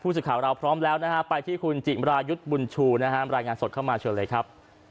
พูดข่าวเราพร้อมแล้วนะครับไปที่คุณจิลายุทธิ์บุญชูนะครับรายงานสดเข้ามาเอาเลยครับ